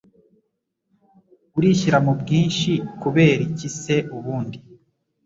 urishyira mu ubwinshi kubera iki c ubundi